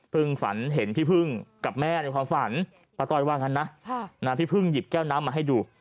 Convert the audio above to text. ฝันเห็นพี่พึ่งกับแม่ในความฝันป้าต้อยว่างั้นนะพี่พึ่งหยิบแก้วน้ำมาให้ดู